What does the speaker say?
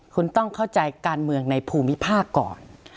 คุณต้องเข้าใจการเมืองในภูมิภาคก่อน